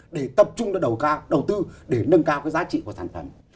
để tập trung vào đầu tư để nâng cao cái giá trị của sản phẩm